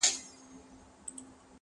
نیکه د ژمي په اوږدو شپو کي کیسې کولې!!